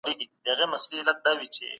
ګردسره مي ستا پټو نه دی لیدلی.